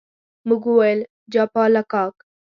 موږ وویل، جاپلاک.